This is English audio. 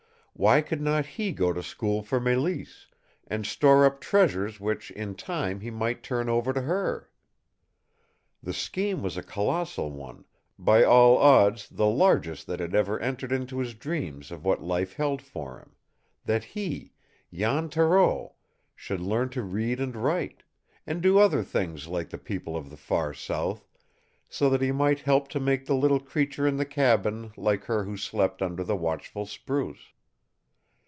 Why could not he go to school for Mélisse, and store up treasures which in time he might turn over to her? The scheme was a colossal one, by all odds the largest that had ever entered into his dreams of what life held for him that he, Jan Thoreau, should learn to read and write, and do other things like the people of the far South, so that he might help to make the little creature in the cabin like her who slept under the watchful spruce.